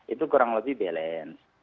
itu kurang lebih balance